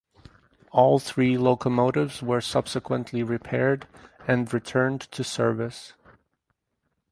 All three locomotives were subsequently repaired and returned to service.